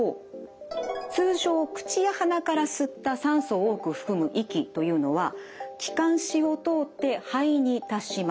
通常口や鼻から吸った酸素を多く含む息というのは気管支を通って肺に達します。